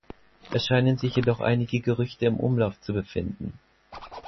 Es scheinen sich jedoch einige Gerüchte im Umlauf zu befinden.